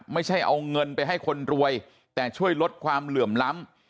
ไม่ใช่เอาเงินไปให้คนรวยแต่ช่วยลดความเหลื่อมล้ำ